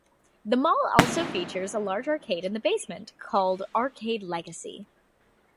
The mall also features a large arcade in the basement, called Arcade Legacy.